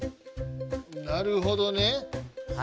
なるほどね。